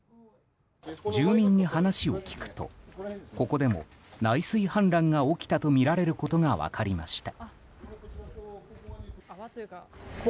住民に話を聞くとここでも内水氾濫が起きたとみられることが分かりました。